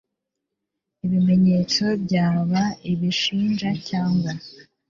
ibimenyetso byaba ibishinja cyangwa